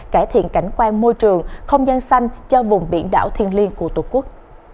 cải thiện cảnh quan môi trường không gian xanh cho vùng biển đảo thiên liên của tổ quốc